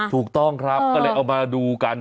ถูกต้องครับก็เลยเอามาดูกัน